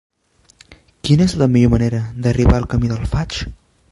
Quina és la millor manera d'arribar al camí del Faig?